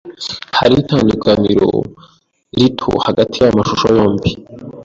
Hariho itandukaniro rito hagati yaya mashusho yombi.